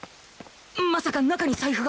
まさか中に財布が